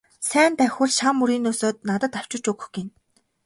Сайн давхивал шан мөрийнөөсөө надад авчирч өгөх гэнэ.